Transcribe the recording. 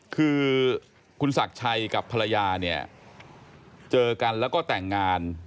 คือคุณศักดิ์ชัยกับภรรยาเนี่ยเจอกันแล้วก็แต่งงาน